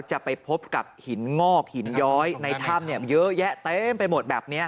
จะไปพบกับหินงอกหินย้อยในถ้ำเยอะแยะเต็มไปหมดแบบนี้